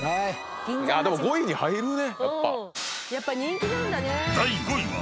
でも５位に入るね。